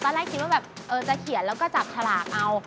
แรกคิดว่าแบบเออจะเขียนแล้วก็จับฉลากเอา